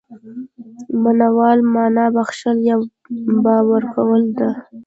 مناوله مانا بخښل، يا ورکول ده.